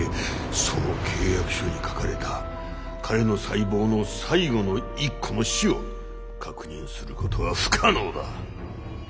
その契約書に書かれた「彼の細胞の最後の一個の死」を確認することは不可能だ。